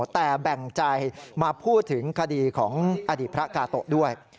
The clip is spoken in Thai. แต่แบ่งใจมาพูดถึงคดีของอดีตพระกาโตะด้วย